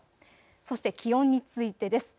そして気温についてです。